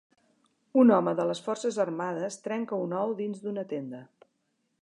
Un home de les forces armades trenca un ou dins d'una tenda